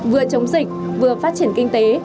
vừa chống dịch vừa phát triển kinh tế